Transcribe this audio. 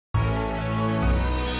kayak bu in the west again